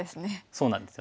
そうなんですよね。